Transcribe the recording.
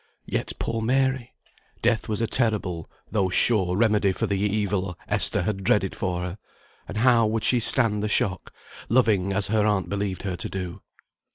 Yet, poor Mary! Death was a terrible, though sure, remedy for the evil Esther had dreaded for her; and how would she stand the shock, loving as her aunt believed her to do?